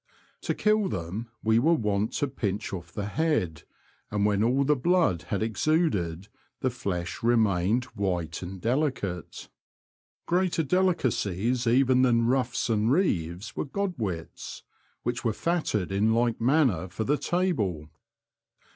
To kill them we were wont to pinch oflf the head, and The Confessions of a T^oachcr. 39 when all the blood had exuded the flesh re mained white and delicate. Greater delicacies even than ruffs and reeves were godwits, which were fatted in like manner for the table.